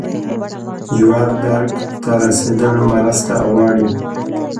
ژور درک ته رسیدل مرسته غواړي.